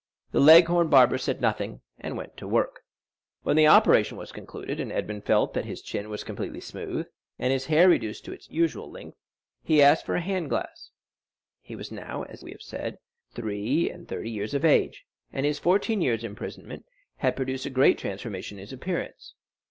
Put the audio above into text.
The Leghorn barber said nothing and went to work. When the operation was concluded, and Edmond felt that his chin was completely smooth, and his hair reduced to its usual length, he asked for a looking glass. He was now, as we have said, three and thirty years of age, and his fourteen years' imprisonment had produced a great transformation in his appearance.